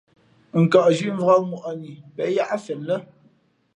N kαʼzhī mvǎk ŋwαʼni pen yáʼ fen lά.